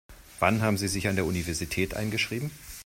Wann haben Sie sich an der Universität eingeschrieben?